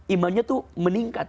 imannya itu meningkat